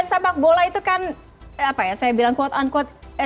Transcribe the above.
sepak bola itu kan apa ya saya bilang quote unquote